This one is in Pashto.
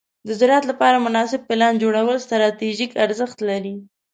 د زراعت لپاره مناسب پلان جوړول ستراتیژیک ارزښت لري.